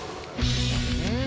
うん？